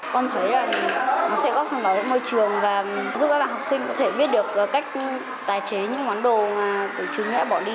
con thấy là nó sẽ góp phần lớn môi trường và giúp các bạn học sinh có thể biết được cách tái chế những món đồ từ trường nhé bỏ đi